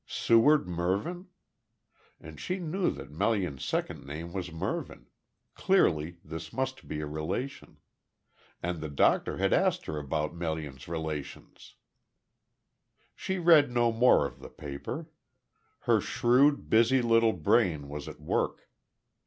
"Seward Mervyn?" And she knew that Melian's second name was Mervyn, Clearly this must be a relation. And the doctor had asked her about Melian's relations. She read no more of the paper. Her shrewd, busy little brain was at work.